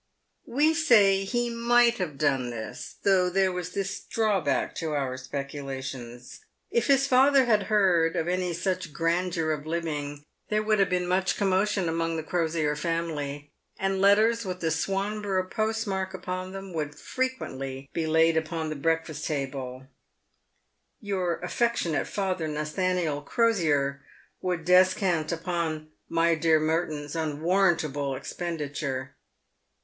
200 PAYED WITH GOLD. "We say lie might have done this, though there was this drawback to our speculations. If his father had heard of any such grandeur of living, there would have been much commotion among the Crosier family, and letters with the Swanborough post mark upon them would frequently be laid upon the breakfast table —" Tour affectionate father, Nathaniel Crosier," would descant upon " my dear Merton's" unwarrantable expenditure.